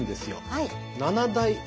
はい。